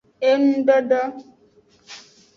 Engudondon.